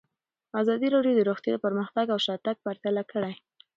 ازادي راډیو د روغتیا پرمختګ او شاتګ پرتله کړی.